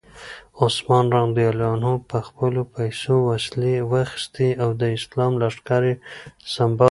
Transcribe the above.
عثمان رض په خپلو پیسو وسلې واخیستې او د اسلام لښکر یې سمبال کړ.